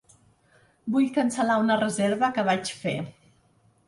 Vull cancel·lar una reserva que vaig fer.